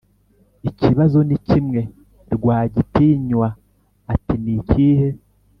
ikibazo nikimwe! Rwagitinywa ati"nikihe?"